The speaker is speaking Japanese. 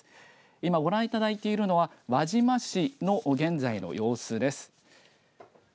今ご覧いただいているのは輪島市の現在の様子です。